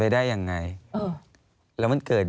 อันดับ๖๓๕จัดใช้วิจิตร